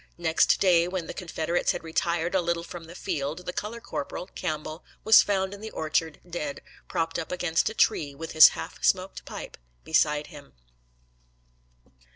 Next day, when the Confederates had retired a little from the field, the color corporal, Campbell, was found in the orchard, dead, propped up against a tree, with his half smoked pipe beside him.